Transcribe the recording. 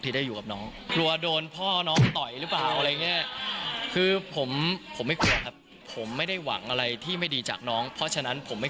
เดี๋ยวไปฟังน้องตรงกันหน่อยค่ะ